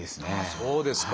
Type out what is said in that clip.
そうですか。